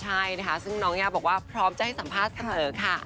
ใช่นะคะซึ่งน้องย่าบอกว่าพร้อมจะให้สัมภาษณ์เสมอค่ะ